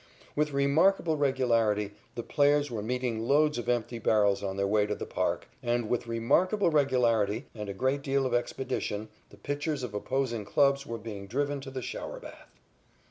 With remarkable regularity the players were meeting loads of empty barrels on their way to the park, and, with remarkable regularity and a great deal of expedition, the pitchers of opposing clubs were being driven to the shower bath.